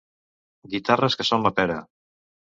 Guitarres que són la pera.